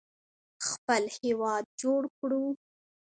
خپل هیواد جوړ کړو.